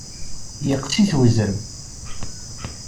Yeqqes-it uzrem.